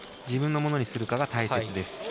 自分のものにするかが大切です。